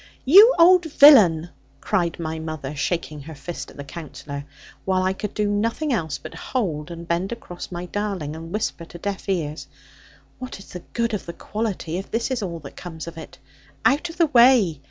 'You old villain,' cried my mother, shaking her fist at the Counsellor, while I could do nothing else but hold, and bend across, my darling, and whisper to deaf ears; 'What is the good of the quality; if this is all that comes of it? Out of the way!